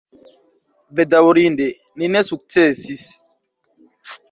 Bedaŭrinde ni ne sukcesis.